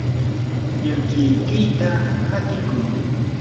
llankikiyta hatikuy.